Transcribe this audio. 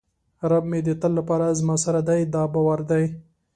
رب مې د تل لپاره زما سره دی دا باور دی.